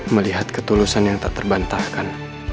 melihat ketulusan yang tak terbantahkan